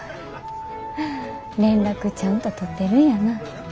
連絡ちゃんと取ってるんやなぁ。